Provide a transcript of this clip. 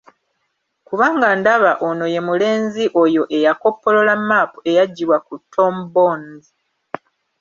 Kubanga ndaba ono ye mulenzi oyo eyakoppolola map eyaggibwa ku Tom Bones.